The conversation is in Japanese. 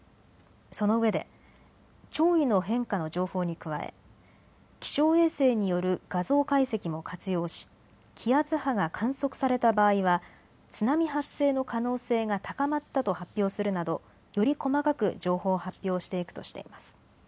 そのうえで潮位の変化の情報に加え気象衛星による画像解析も活用し気圧波が観測された場合は津波発生の可能性が高まったと発表するなど、より細かく情報を発表していくとしています。